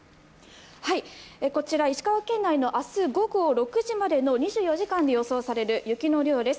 こちら、石川県内の明日午後６時までの２４時間で予想される雪の量です。